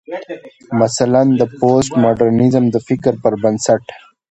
مثلا: د پوسټ ماډرنيزم د فکر پر بنسټ